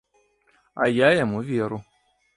А я яму веру.